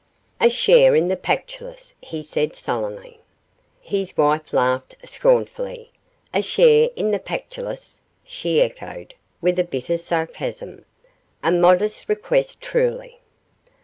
'A share in the Pactolus,' he said, sullenly. His wife laughed scornfully. 'A share in the Pactolus!' she echoed, with bitter sarcasm, 'A modest request truly.